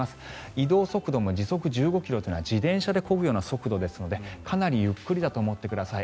移動速度も時速１５ｋｍというのは自転車でこぐような速度なのでかなりゆっくりだと思ってください。